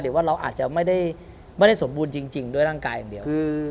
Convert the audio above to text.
หรือว่าเราอาจจะไม่ได้สมบูรณ์จริงด้วยร่างกายอย่างเดียว